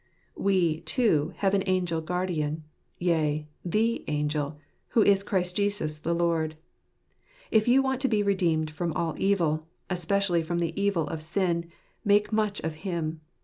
We, too, have an Angel guardian, yea, the Angel, who is Jesus Christ the Lord. If you want to be redeemed from all evil, especially from the evil of sin, make much of Him.